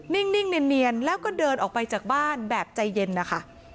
นิ่งเนียนแล้วก็เดินออกไปจากบ้านแบบใจเย็นนะคะ